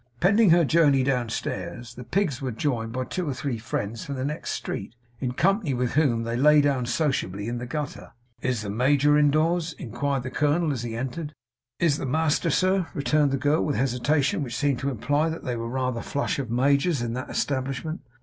Pending her journey downstairs, the pigs were joined by two or three friends from the next street, in company with whom they lay down sociably in the gutter. 'Is the major indoors?' inquired the colonel, as he entered. 'Is it the master, sir?' returned the girl, with a hesitation which seemed to imply that they were rather flush of majors in that establishment.